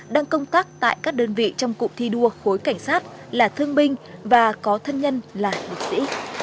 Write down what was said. đang công tác tại các đơn vị trong cụm thi đua khối cảnh sát là thương binh và có thân nhân là liệt sĩ